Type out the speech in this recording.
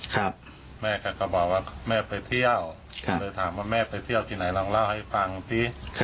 ครับแม่ก็บอกว่าแม่ไปเที่ยวเลยถามว่าแม่ไปเที่ยวที่ไหนลองเล่าให้ฟังสิ